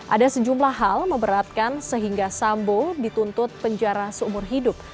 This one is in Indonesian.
ada sejumlah hal memberatkan sehingga sambo dituntut penjara seumur hidup